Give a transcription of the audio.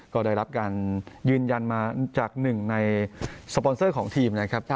ก็ได้รับการยืนยันมาจากหนึ่งในสปอนเซอร์ของทีมนะครับ